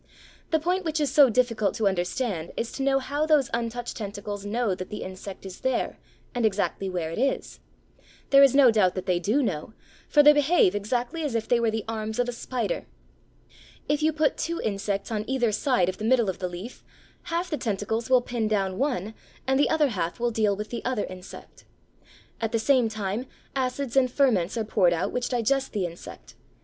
The point which is so difficult to understand is to know how those untouched tentacles know that the insect is there and exactly where it is. There is no doubt that they do know, for they behave exactly as if they were the arms of a spider. If you put two insects on either side of the middle of the leaf, half the tentacles will pin down one and the other half will deal with the other insect. At the same time acids and ferments are poured out which digest the insect.